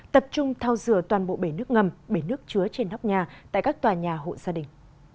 tập trung thao dừa toàn bộ bể nước ngầm bể nước chứa trên hóc nhà tại các tòa nhà hộ gia đình